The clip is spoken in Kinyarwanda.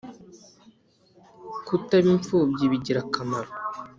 kutaba imfubyi bigira akamaro :